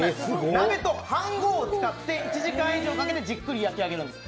鍋とはんごうを使って１時間以上かけてじっくりと焼き上げるんです。